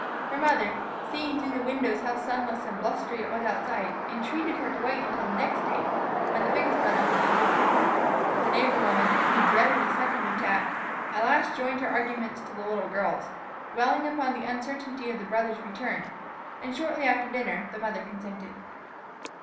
Her mother, seeing through the windows how sunless and blustery it was outside, entreated her to wait until the next day, when the biggest brother would be home. But the neighbor woman, who dreaded a second attack, at last joined her arguments to the little girl's, dwelling upon the uncertainty of the brother's return; and shortly after dinner the mother consented.